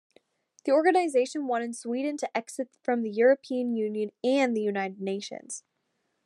The organizationion wanted Sweden to exit from the European Union and the United Nations.